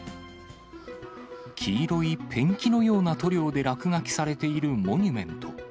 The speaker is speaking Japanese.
黄色いペンキのような塗料で落書きされているモニュメント。